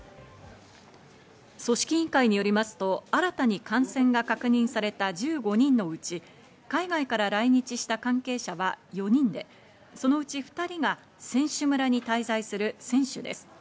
組織委員会によりますと新たに感染が確認された１５人のうち、海外から来日した関係者は４人でそのうち２人が選手村に滞在する選手です。